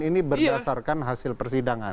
ini berdasarkan hasil persidangan